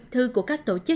thư của các tổ chức cá nhân